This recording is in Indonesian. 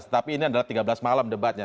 tetapi ini adalah tiga belas malam debatnya